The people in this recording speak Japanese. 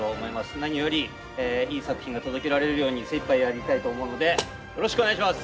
何よりいい作品が届けられるように精いっぱいやりたいと思うのでよろしくお願いします。